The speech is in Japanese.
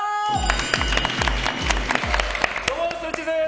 どうも、ストレッチーズです